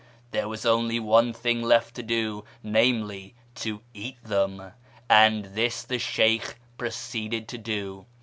There was only one thing left to do, namely, to eat them ; and this the Slieykh proceeded to do.